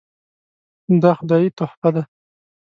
دا خدایي تحفه ده .